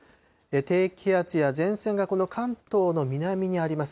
低気圧や前線がこの関東の南にあります。